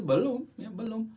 belum ya belum